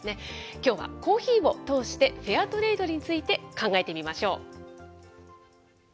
きょうはコーヒーを通して、フェアトレードについて考えてみましょう。